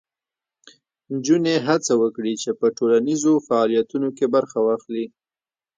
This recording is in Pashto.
نجونې هڅه وکړي چې په ټولنیزو فعالیتونو کې برخه واخلي.